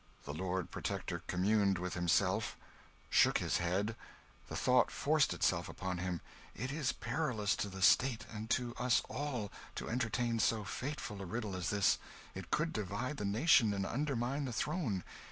The Lord Protector communed with himself shook his head the thought forced itself upon him, "It is perilous to the State and to us all, to entertain so fateful a riddle as this; it could divide the nation and undermine the throne."